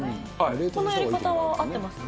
このやり方は合ってますか。